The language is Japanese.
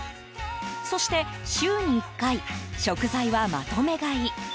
そして週に１回食材はまとめ買い。